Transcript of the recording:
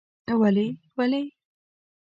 ولې؟ ولې؟؟؟ ….